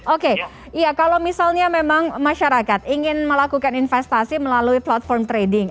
oke ya kalau misalnya memang masyarakat ingin melakukan investasi melalui platform trading